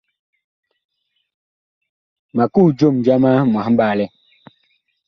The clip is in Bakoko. Ma kuh jom jama mwahɓaalɛn.